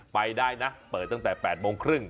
ไปได้นะเปิดตั้งแต่๘โมงครึ่ง